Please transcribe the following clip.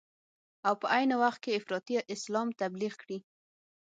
او په عین وخت کې افراطي اسلام تبلیغ کړي.